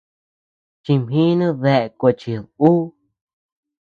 Chimjinu dae kochid ú.